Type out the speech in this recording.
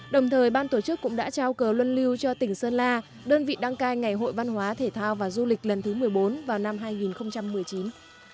đồng thời ban tổ chức cũng đã trao cờ luân lưu cho tỉnh sơn la đơn vị đăng cai ngày hội văn hóa thể thao và du lịch lần thứ một mươi bốn vào năm hai nghìn một mươi chín